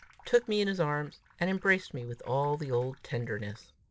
took me in his arms, and embraced me with all the old tenderness.